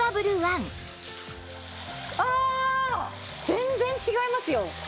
全然違いますよ。